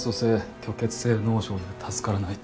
虚血性脳症で助からないと。